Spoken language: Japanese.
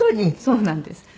そうなんです。